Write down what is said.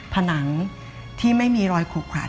ผนังที่ไม่มีรอยขุขัน